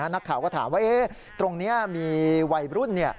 นักข่าวก็ถามว่าตรงนี้มีวัยรุ่น